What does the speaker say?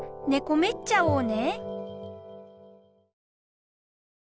めっちゃおうね。